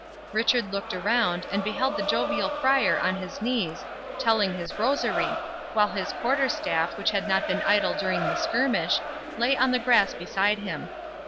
Richard looked around, and beheld the jovial Friar on his knees, telling his rosary, while his quarter staff, which had not been idle during the skirmish, lay on the grass beside him.